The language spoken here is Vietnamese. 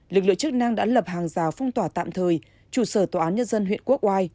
lực lượng chức năng đã lập hàng rào phong tỏa tạm thời trụ sở tòa án nhân dân huyện quốc oai